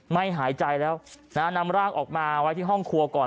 ไม่หายใจแล้วนะฮะนำร่างออกมาไว้ที่ห้องครัวก่อน